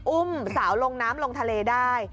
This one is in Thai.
อุ้มสาวลงน้ำลงทะเลได้